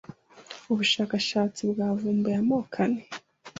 ubushakashatsi bwavumbuye amoko ane